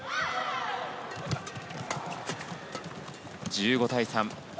１５対３。